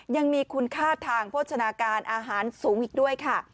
ยังมีคุณค่าทางโภชนาการอาหารสูงอีกด้วยค่ะ